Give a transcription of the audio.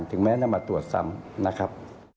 ถึงแม้นำมาตรวจซ้ำนะครับ